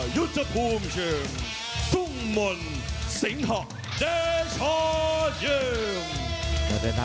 ยุทธภูมก์ในเทจะ